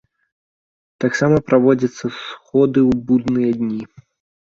Таксама праводзяцца сходы ў будныя дні.